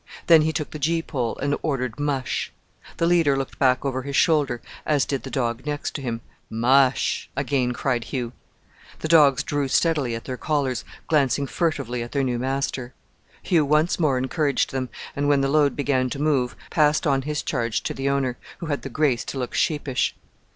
Then he took the gee pole, and ordered "mush." The leader looked back over his shoulder, as did the dog next him. "Mush!" again cried Hugh. The dogs drew steadily at their collars, glancing furtively at their new master. Hugh once more encouraged them, and when the load began to move passed on his charge to the owner, who had the grace to look sheepish.